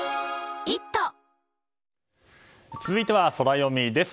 続いてはソラよみです。